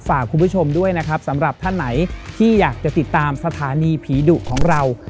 ฝากคุณผู้ชมด้วยนะครับสำหรับท่านไหนที่อยากจะติดตามสถานีผีดุของเรา